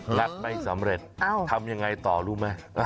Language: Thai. งัดไม่สำเร็จทำยังไงต่อรู้ไหม